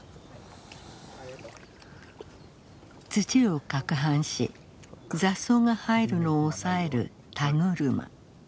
土をかくはんし雑草が生えるのを抑える田車。